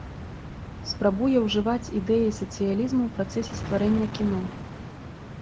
Спрабуе ўжываць ідэі сацыялізму ў працэсе стварэння кіно.